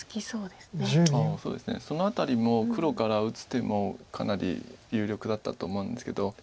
そうですねその辺りも黒から打つ手もかなり有力だったと思うんですけど。